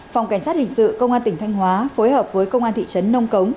phòng cảnh sát hình sự công an tỉnh thanh hóa phối hợp với công an thị trấn